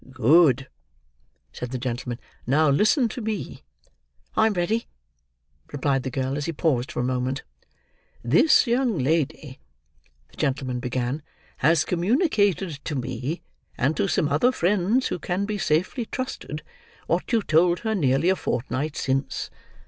"Good," said the gentleman. "Now listen to me." "I am ready," replied the girl, as he paused for a moment. "This young lady," the gentleman began, "has communicated to me, and to some other friends who can be safely trusted, what you told her nearly a fortnight since.